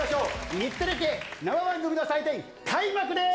日テレ系生番組の祭典、開幕でーす！